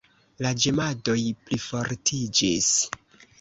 La ĝemadoj plifortiĝis.